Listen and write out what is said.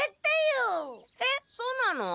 えっそうなの？